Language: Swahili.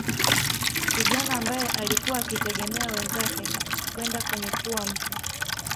Kijana ambae alikuwa akitegemea wenzake kwenda kwenye kuwa mtu